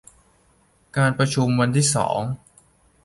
การประชุมวันที่สอง